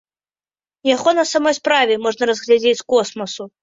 Яго на самой справе можна разглядзець з космасу.